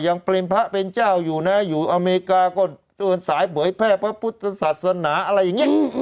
ยังเป็นพระเป็นเจ้าอยู่นะอยู่อเมริกาก็เดินสายเผยแพร่พระพุทธศาสนาอะไรอย่างนี้